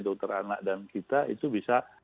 dokter anak dan kita itu bisa